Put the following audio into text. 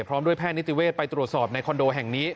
พร้อมด้วยแพทย์นิติเวศไปตรวจสอบในคอนโดแห่งนี้